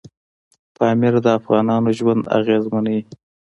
پامیر د افغانانو ژوند اغېزمن کوي.